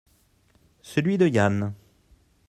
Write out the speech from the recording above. Celui de Yann.